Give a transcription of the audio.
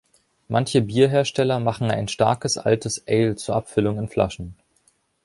Manche Bierhersteller machen ein starkes altes Ale zur Abfüllung in Flaschen.